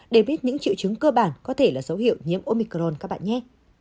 để biết những triệu chứng cơ bản có thể là dấu hiệu nhiễm omicron các bạn nhé